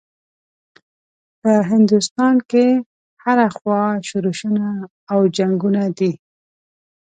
په هندوستان کې هره خوا شورشونه او جنګونه دي.